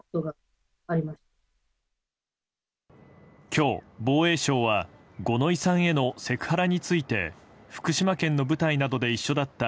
今日、防衛省は五ノ井さんへのセクハラについて福島県の部隊などで一緒だった